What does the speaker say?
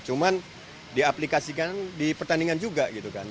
cuman diaplikasikan di pertandingan juga gitu kan